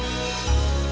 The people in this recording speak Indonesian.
di mana hyatt